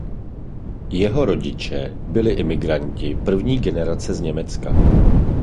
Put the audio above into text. Jeho rodiče byli imigranti první generace z Německa.